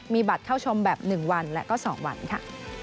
มีบัตรเข้าชมแบบ๑วันและก็๒วันค่ะ